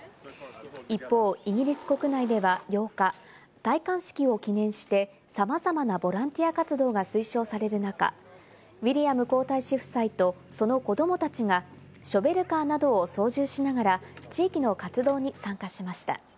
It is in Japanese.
一方、イギリス国内では８日、戴冠式を記念して様々なボランティア活動が推奨される中、ウィリアム皇太子夫妻とその子供たちがショベルカーなどを操縦しながら地域の活動に参加しました。